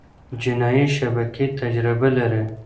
جنایي شبکې تجربه لري.